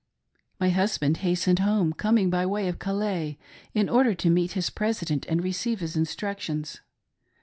My husband hastened home, coming by way of Calais, in order to meet his president and receive his instructions.